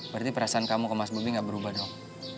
berarti perasaan kamu sama mas bobby enggak berubah dong